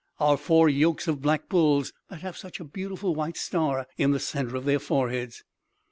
Our four yokes of black bulls that have such a beautiful white star in the center of their foreheads!"